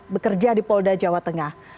bekerja di polda jawa tengah